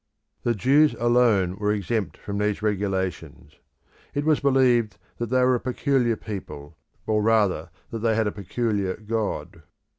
The Jews alone were exempt from these regulations. It was believed that they were a peculiar people, or rather that they had a peculiar god.